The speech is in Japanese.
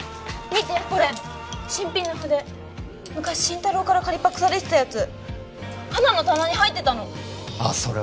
見てこれ新品の筆昔真太郎から借りパクされてたやつハナの棚に入ってたのあっそれ